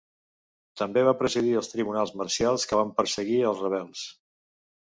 També va presidir els tribunals marcials que van perseguir als rebels.